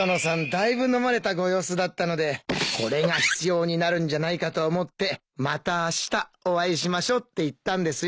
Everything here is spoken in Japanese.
だいぶ飲まれたご様子だったのでこれが必要になるんじゃないかと思ってまたあしたお会いしましょって言ったんですよ。